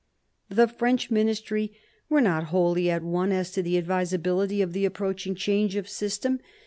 The French ministry were not wholly at one as to the advisability of the approaching change of system.